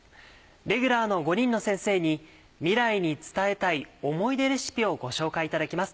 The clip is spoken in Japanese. レギュラーの５人の先生に「未来に伝えたい思い出レシピ」をご紹介いただきます。